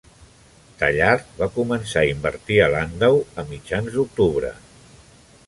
Tallard va començar a invertir a Landau a mitjans d'octubre.